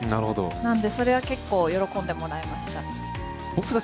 なんで、それは結構、喜んでもらいましたね。